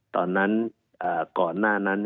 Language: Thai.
ตอนนั้นก่อนหน้านั้น